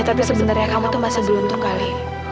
tapi sebenarnya kamu tuh masih beruntung kali